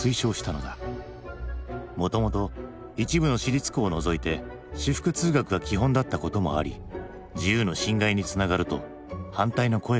もともと一部の私立校を除いて私服通学が基本だったこともあり自由の侵害につながると反対の声が上がる。